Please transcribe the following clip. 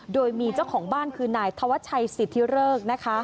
โดยมีเจ้าของบ้านคือนายธวัชชัยสิทธิเริกนะคะ